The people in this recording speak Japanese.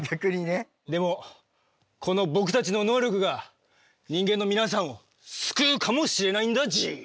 でもこの僕たちの能力が人間の皆さんを救うかもしれないんだＧ。